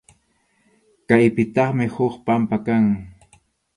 Kaypitaqmi huk pampa kan.